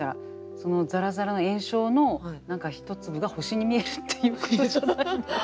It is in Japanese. そのざらざらの炎症の何か一粒が星に見えるっていうことじゃないの？